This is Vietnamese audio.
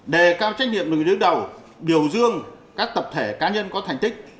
đề cao trách nhiệm đối với đối đầu điều dương các tập thể cá nhân có thành tích